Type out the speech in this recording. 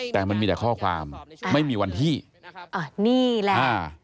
แต่มันมีแต่ข้อความไม่มีวันที่อ่ะนี่แหละอ่า